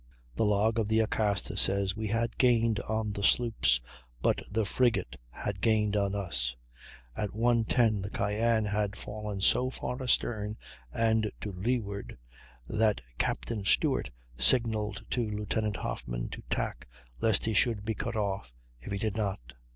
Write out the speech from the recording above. The log of the Acasta says, "We had gained on the sloops, but the frigate had gained on us." At 1.10 the Cyane had fallen so far astern and to leeward that Captain Stewart signalled to Lieutenant Hoffman to tack, lest he should be cut off if he did not.